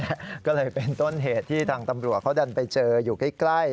ก็เลยเป็นต้นเหตุที่ทางตำรวจเขาดันไปเจออยู่ใกล้